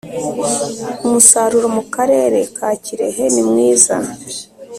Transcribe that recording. Umusaruro mu Karere ka Kirehe nimwiza